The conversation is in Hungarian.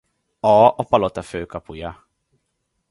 A a palota főkapuja.